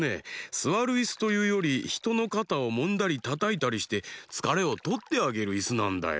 すわるイスというよりひとのかたをもんだりたたいたりしてつかれをとってあげるイスなんだよ。